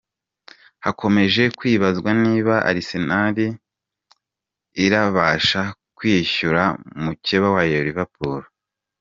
Hakomeje kwibazwa niba Arsenal irabasha kwishyura mukeba wayo Liverpool.